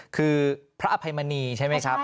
คือพระอภัยมณีใช่ไหมครับ